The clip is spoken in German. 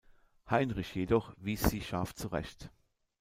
Heinrich jedoch wies sie scharf zurecht.